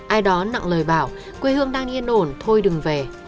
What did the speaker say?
ai đó nặng lời bảo quê hương đang yên ổn thôi đừng về